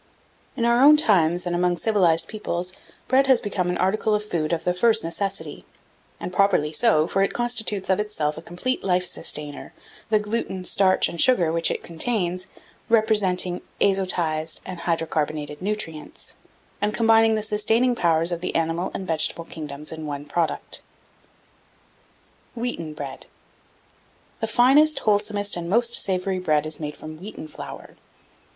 1671. In our own times, and among civilized peoples, bread has become an article of food of the first necessity; and properly so, for it constitutes of itself a complete life sustainer, the gluten, starch, and sugar, which it contains, representing azotized and hydro carbonated nutrients, and combining the sustaining powers of the animal and vegetable kingdoms in one product. 1672. WHEATEN BREAD. The finest, wholesomest, and most savoury bread is made from wheaten flour.